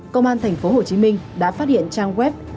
công an tp hcm đã phát hiện trang web